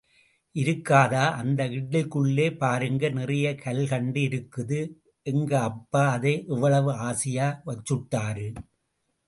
இருக்காதா அந்த இட்லிக்குள்ளே பாருங்க நிறைய கல்கண்டு இருக்குது எங்க அப்பா அதை எவ்வளவு ஆசையா வச்சுட்டாரு!